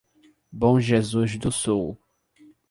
Bom Jesus do Sul